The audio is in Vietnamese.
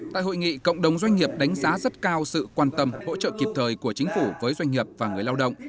tại hội nghị cộng đồng doanh nghiệp đánh giá rất cao sự quan tâm hỗ trợ kịp thời của chính phủ với doanh nghiệp và người lao động